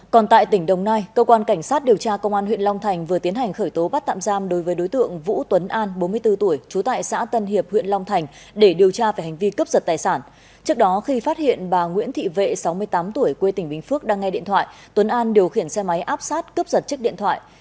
còn tại tỉnh đồng nai cơ quan cảnh sát điều tra công an huyện long thành vừa tiến hành khởi tố bắt tạm giam đối với đối tượng vũ tuấn an bốn mươi bốn tuổi chú tại xã tân hiệp huyện long thành để điều tra về hành vi cấp giật tài sản